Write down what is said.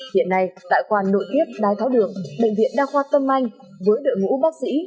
hiện nay tại khoa nội tiết đái tháo đường bệnh viện đa khoa tâm anh với đội ngũ bác sĩ